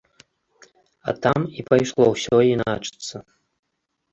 А там і пайшло ўсё іначыцца.